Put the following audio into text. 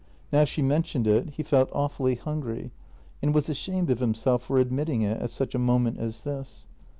Now she men tioned it, he felt awfully hungry, and was ashamed of himself for admitting it at such a moment as this.